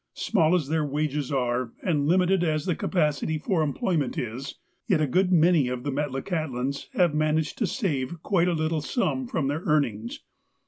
Small as their wages are, and limited as the capacity for employment is, yet a good mauy of the Metlakahtlans have managed to save quite a little sum from their earn ings.